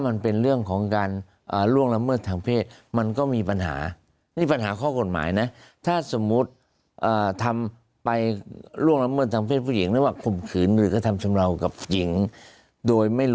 คุณแม่ของน้องเขาก็มาหามากับธนาความด้วยลูกด้วยและพยานด้วย